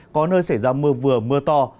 có nơi xảy ra mưa vừa mưa to